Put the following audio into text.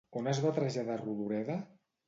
On es va traslladar Rodoreda?